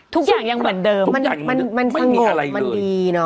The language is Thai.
ทุกอย่างยังเหมือนเดิมทุกอย่างยังเหมือนเดิมมันมันมันมันมีอะไรเลยมันดีเนอะ